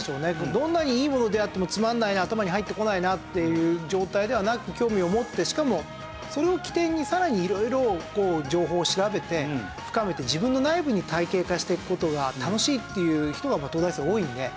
どんなにいいものであってもつまんないな頭に入ってこないなっていう状態ではなく興味を持ってしかもそれを起点にさらに色々情報を調べて深めて自分の内部に体系化していく事が楽しいっていう人が東大生多いので。